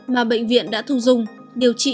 mà bệnh viện đã thu dung điều trị